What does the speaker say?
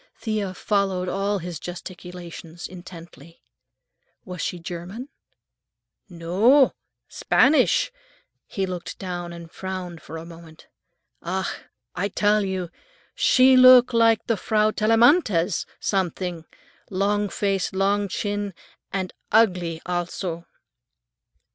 Thea followed all his gesticulations intently. "Was she German?" "No, Spanisch." He looked down and frowned for a moment. "Ach, I tell you, she look like the Frau Tellamantez, some thing. Long face, long chin, and ugly al so."